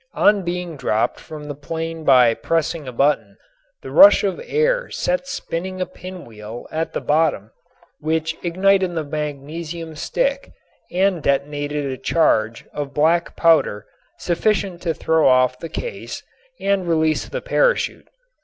On being dropped from the plane by pressing a button, the rush of air set spinning a pinwheel at the bottom which ignited the magnesium stick and detonated a charge of black powder sufficient to throw off the case and release the parachute.